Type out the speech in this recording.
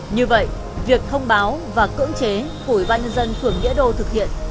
như vậy việc thông báo và cưỡng chế của văn dân phưởng nghĩa đô thực hiện